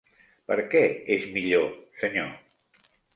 Per què és millor, senyor?